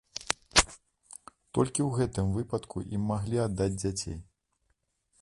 Толькі ў гэтым выпадку ім маглі аддаць дзяцей.